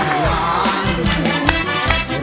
ผมร้องได้ให้ร้อง